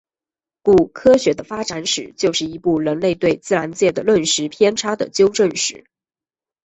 故科学的发展史就是一部人类对自然界的认识偏差的纠正史。